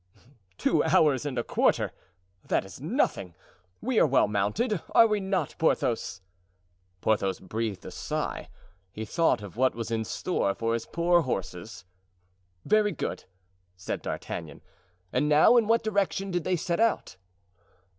"Two hours and a quarter—that is nothing; we are well mounted, are we not, Porthos?" Porthos breathed a sigh; he thought of what was in store for his poor horses. "Very good," said D'Artagnan; "and now in what direction did they set out?"